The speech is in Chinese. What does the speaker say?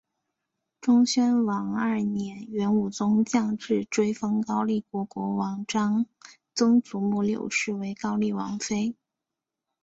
忠宣王二年元武宗降制追封高丽国王王璋曾祖母柳氏为高丽王妃。